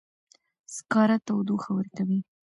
سکاره تودوخه ورکوي